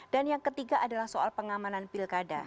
dan yang ketiga adalah soal pengamanan pilkada